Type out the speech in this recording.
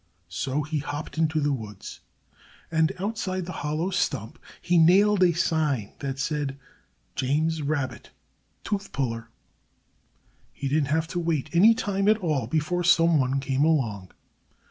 So he hopped into the woods. And outside the hollow stump he nailed a sign that said: JAMES RABBIT TOOTH PULLER He didn't have to wait any time at all before some one came along.